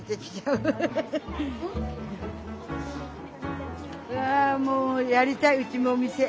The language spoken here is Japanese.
うわもうやりたいうちもお店。